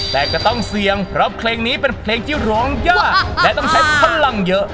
แต่ก็ต้องเสี่ยงเพราะเพลงนี้เป็นเพลงที่ร้องยากและต้องใช้พลังเยอะ